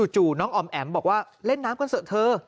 น้องอ๋อมแอ๋มบอกว่าเล่นน้ำกันเถอะเธอ